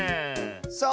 そう。